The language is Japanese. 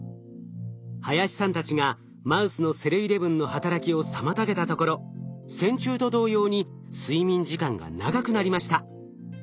林さんたちがマウスのｓｅｌー１１の働きを妨げたところ線虫と同様に睡眠時間が長くなりました。